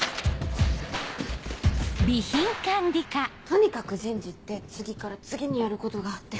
とにかく人事って次から次にやることがあって。